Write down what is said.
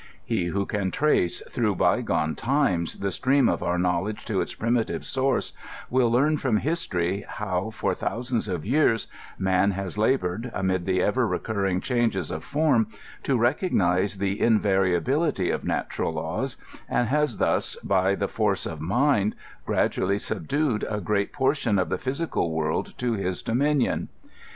He who can trace, through by g(»ie times, the stream of our knowledge to its primitive source, will learn from history how, for thousands of years, man has labored, amid the ever recurring changes of form, to recognize the invariability of natural laws, and has thus, by the force of mind, gradually subdued a great por tion of the physical world to his dominion.